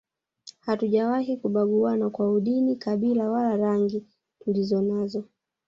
Hatujawahi kubaguana kwa udini kabila wala rangi tulizonazo